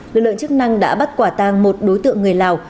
lực lượng chức năng đã bắt quả tang một đối tượng người lào